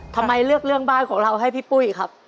ทำไมเลือกเรื่องบ้านของเราให้พี่ปุ้ยครับ